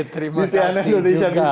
terima kasih juga